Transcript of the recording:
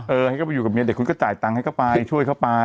ให้เขาไปอยู่กับเมียเด็กคุณก็จ่ายตังค์ให้เข้าไปช่วยเขาไป